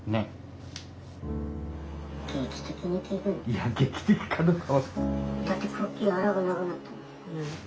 いや劇的かどうか。